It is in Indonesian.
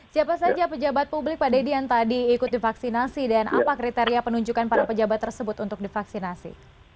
siapa saja pejabat publik pak deddy yang tadi ikut divaksinasi dan apa kriteria penunjukan para pejabat tersebut untuk divaksinasi